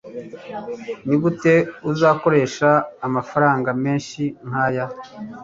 nigute uzakoresha amafaranga menshi nkaya